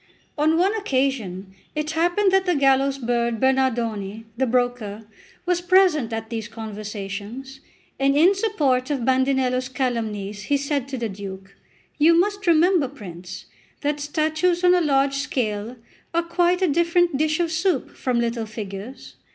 On one occasion it happened that the gallows bird Bernardone, the broker, was present at these conversations, and in support of Bandinello's calumnies, he said to the Duke: "You must remember, prince, that statues on a large scale are quite a different dish of soup from little figures.